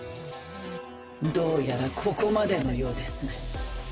どうやらここまでのようですね。